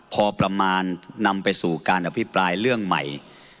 พอประมาณนำไปสู่การอภิปรายเรื่องใหม่